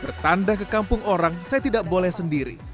bertanda ke kampung orang saya tidak boleh sendiri